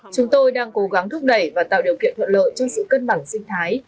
chúng tôi đang cố gắng thúc đẩy và tạo điều kiện thuận lợi cho sự cân bằng sinh thái